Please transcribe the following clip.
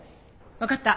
わかった。